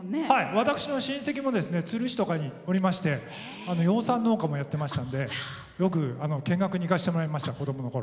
私の親戚も都留市とかにおりまして養蚕農家もやってましたのでよく見学に行かせてもらいました子どものころ。